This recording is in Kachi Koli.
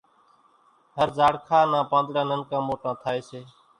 هر زاڙکا نان پانۮڙان ننڪان موٽان ٿائيَ سي۔